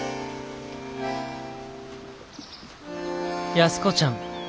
「安子ちゃん。